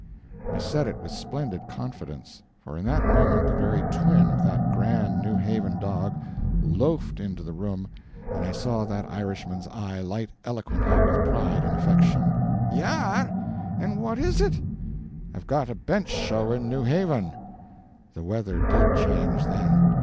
I said it with splendid confidence; for in that moment the very twin of that grand New Haven dog loafed into the room, and I saw that Irishman's eye light eloquently with pride and affection. "Ye are? And what is it?" "I've got a bench show in New Haven." The weather did change then.